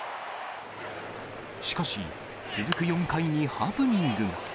しかし、続く４回にハプニングが。